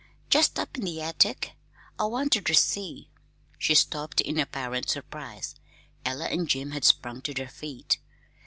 "Jest up in the attic. I wanted ter see " She stopped in apparent surprise. Ella and Jim had sprung to their feet.